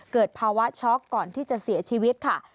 เกิดภาวะช็อกก่อนที่จะเสียชีวิตค่ะ